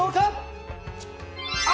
あ！